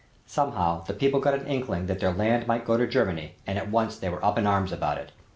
Somehow the people got an inkling that their land might go to Germany and at once they were up in arms about it.